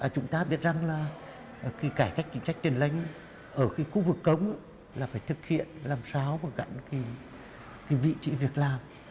chúng ta biết rằng là cái cải cách chính trách tiền lãnh ở cái khu vực cống là phải thực hiện làm sao và gắn cái vị trí việc làm